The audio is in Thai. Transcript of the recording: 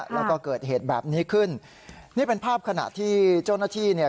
แล้วก็เกิดเหตุแบบนี้ขึ้นนี่เป็นภาพขณะที่เจ้าหน้าที่เนี่ย